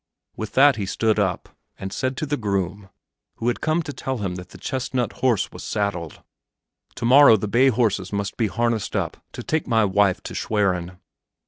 With that he stood up and said to the groom who had come to tell him that the chestnut horse was saddled, "To morrow the bay horses must be harnessed up to take my wife to Schwerin."